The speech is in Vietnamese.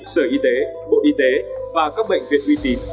sở y tế bộ y tế và các bệnh viện uy tín